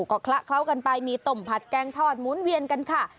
ก็คละเคล้ากันไปมีต้มผัดแกงทอดหมุนเวียนกันค่ะ